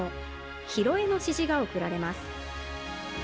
拾えの指示が送られます。